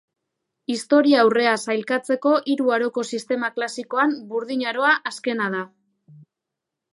Historiaurrea sailkatzeko hiru aroko sistema klasikoan, Burdin Aroa azkena da.